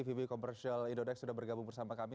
vb commercial indodex sudah bergabung bersama kami